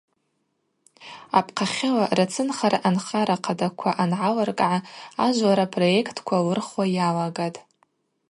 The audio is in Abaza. Апхъахьыла рацынхара анархара хъадаква ангӏалыркӏгӏа ажвлара проектква лырхуа йалагатӏ.